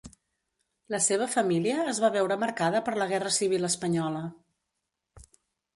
La seva família es va veure marcada per la guerra civil espanyola.